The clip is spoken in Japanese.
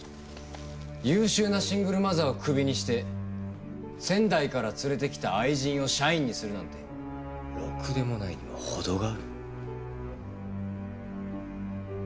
優秀なシングルマザーをクビにして仙台から連れてきた愛人を社員にするなんてろくでもないにもほどがある。